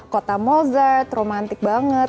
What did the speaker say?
kota mozart romantik banget